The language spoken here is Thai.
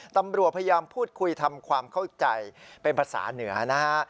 ตำรวจพยายามพูดคุยทำความเข้าใจเป็นภาษาเหนือนะฮะ